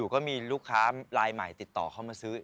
ก็มีลูกค้าลายใหม่ติดต่อเข้ามาซื้อ